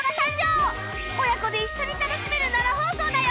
親子で一緒に楽しめる生放送だよ